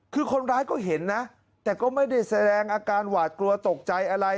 คือคนร้ายก็เห็นนะแต่ก็ไม่ได้แสดงอาการหวาดกลัวตกใจอะไร